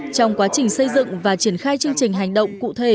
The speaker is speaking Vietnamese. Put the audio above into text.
trong quá trình xây dựng và triển khai chương trình hành động cụ thể